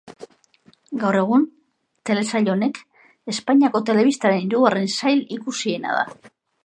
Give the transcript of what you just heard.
Gaur egun, telesail honek Espainako telebistaren hirugarren sail ikusiena da.